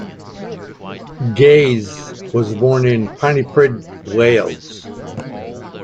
Gaze was born in Pontypridd, Wales.